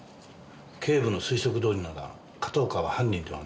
警部の推測どおりなら片岡は犯人ではなくなります。